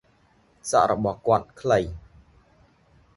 សក់របស់គាត់ខ្លី។